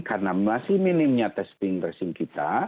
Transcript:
karena masih minimnya testing testing kita